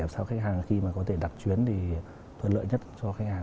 để làm sao khách hàng khi mà có thể đặt chuyến thì thuận lợi nhất cho khách hàng